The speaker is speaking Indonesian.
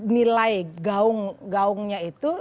nilai gaungnya itu